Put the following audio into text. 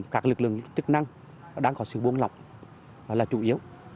các lực lượng chức năng đang có sự buôn lọc là chủ yếu